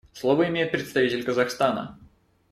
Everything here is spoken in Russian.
Слово имеет представитель Казахстана.